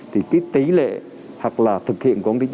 thì cái tỷ lệ hoặc là thực hiện của công ty chính phủ